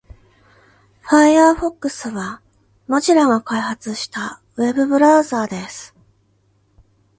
Firefox は Mozilla が開発したウェブブラウザーです。